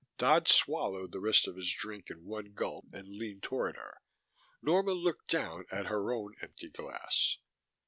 Dodd swallowed the rest of his drink in one gulp and leaned toward her. Norma looked down at her own empty glass.